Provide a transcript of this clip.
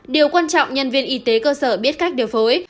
điều quan trọng nhân viên y tế cơ sở biết cách điều phối